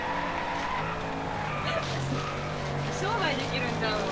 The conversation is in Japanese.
商売できるんちゃうの？